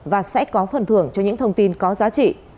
và sẽ có phần thưởng cho những thông tin có giá trị